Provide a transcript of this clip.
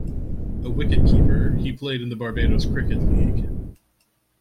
A wicketkeeper, he played in the Barbados Cricket League.